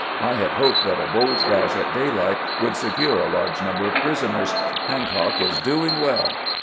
I had hoped that a bold dash at daylight would secure a large number of prisoners. Hancock is doing well."